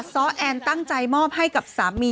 ซ้อแอนตั้งใจมอบให้กับสามี